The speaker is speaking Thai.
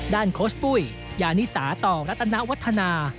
ด้านโคสต์ปุ้ยยานิสาต่อรัตนาวัฒนา